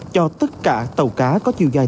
cho tất cả tàu cá có chiều giảm